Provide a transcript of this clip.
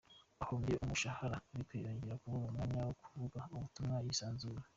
Ahombye umushahara ariko yongeye kubona umwanya wo kuvuga ubutumwa yisanzuye.